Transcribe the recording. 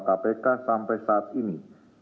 kpk sampai saat ini